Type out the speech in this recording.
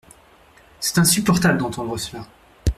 C’est insupportable d’entendre cela.